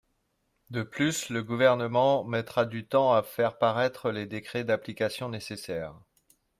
De plus, le Gouvernement mettra du temps à faire paraître les décrets d’application nécessaires.